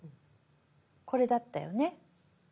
これだったよね？